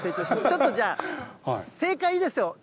ちょっとじゃあ、正解いいでしょうか。